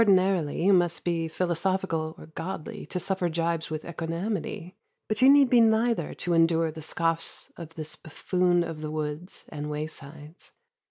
Ordinarily you must be philosophical or godly to suffer gibes with equanimity, but you need be neither to endure the scoffs of this buffoon of the woods and waysides.